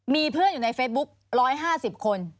มีเพื่อนอยู่ในเฟซบุ๊ก๑๕๐คน